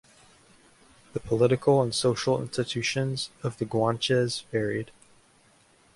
The political and social institutions of the Guanches varied.